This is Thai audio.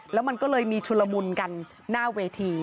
แล้วมันก็เลยมีชุลมุนกันหน้าเวที